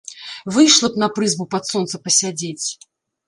Выйшла б на прызбу пад сонца пасядзець.